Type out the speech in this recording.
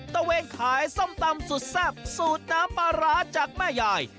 เวนขายส้มตำสุดแซ่บสูตรน้ำปลาร้าจากแม่ยาย